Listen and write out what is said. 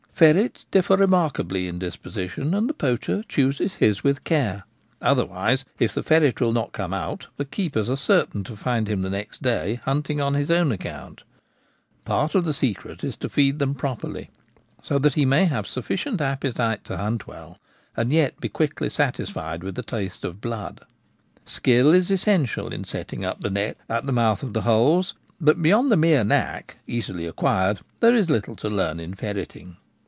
Ferrets differ remarkably in disposition, and the poacher chooses his with care ; otherwise, if the ferret will not come out the keepers are certain to find him the next day hunting on his own account Part of the secret is to feed him properly, so that he may have sufficient appetite to hunt well and yet be quickly satisfied with a taste of blood. Skill is essential in setting up the nets at the mouth of the holes ; but beyond the mere knack, easily acquired, there is little to learn in ferret ing.